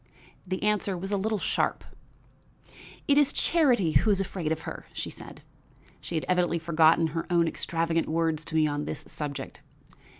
The answer was a little sharp. "It is Charity who is afraid of her," said she. She had evidently forgotten her own extravagant words to me on this subject.